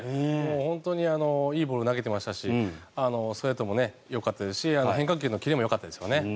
本当にいいボール投げてましたしストレートもよかったですし変化球のキレもよかったですね。